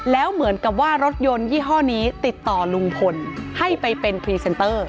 แล้วเหมือนกับว่ารถยนต์ยี่ห้อนี้ติดต่อลุงพลให้ไปเป็นพรีเซนเตอร์